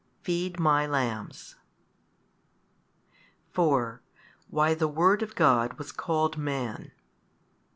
feed My lambs. 4. Why the Word of God was called Man.